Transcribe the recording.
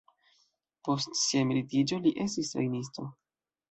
Post sia emeritiĝo, li estis trejnisto.